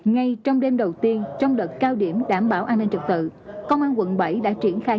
ngay trong đêm đầu tiên trong đợt cao điểm đảm bảo an ninh trực tự công an quận bảy đã triển khai